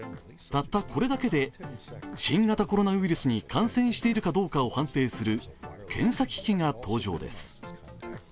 たったこれだけで、新型コロナウイルスに感染しているかどうかを判定する検査機器が登場です。